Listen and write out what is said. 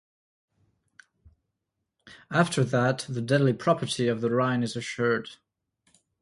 After that, the deadly property of the rind is assured.